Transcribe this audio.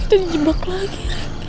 kita di jebak lagi